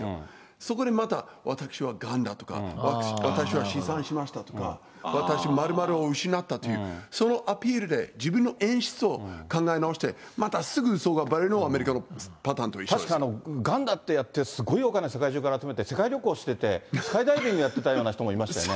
そこでまた、私はがんだとか、私は死産しましたとか、私、〇〇を失ったという、そのアピールで、自分の演出を考え直して、またすぐうそがばれるのが、確かに、がんだってやって、すごいお金世界中から集めて、世界旅行してて、最大限にやってたような人もいましたよね。